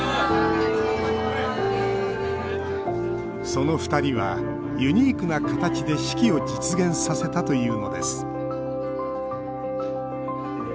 そのふたりはユニークな形で式を実現させたというのです。